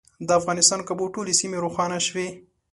د افغانستان کابو ټولې سیمې روښانه شوې.